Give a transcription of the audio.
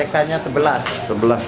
terus yang bisa menyelamatkan berapa orang